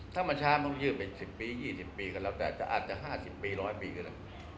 ถ้ามันช้ามันต้องยื่นเป็น๑๐ปี๒๐ปีก็แล้วแต่แต่อาจจะ๕๐ปี๑๐๐ปีก็ได้